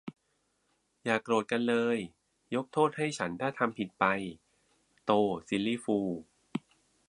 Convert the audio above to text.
"อย่าโกรธกันเลย ยกโทษให้ฉันถ้าทำผิดไป" - โต ซิลลี่ฟูล